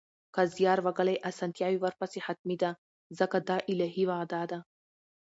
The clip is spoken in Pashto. که زیار وګالئ، اسانتیا ورپسې حتمي ده ځکه دا الهي وعده ده